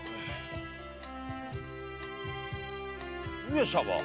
上様